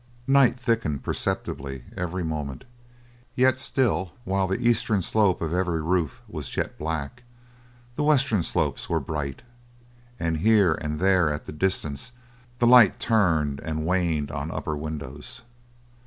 Night thickened perceptibly every moment, yet still while the eastern slope of every roof was jet black, the western slopes were bright, and here and there at the distance the light turned and waned on upper windows.